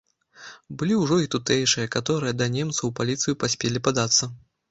Былі ўжо і тутэйшыя, каторыя да немцаў у паліцыю паспелі падацца.